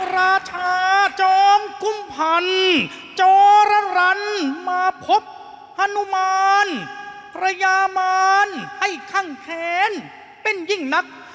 ราชาจอมกุมพันธ์จรรย์มาพบฮานุมานพระยามารให้คั่งแขนเป็นยิ่งนัก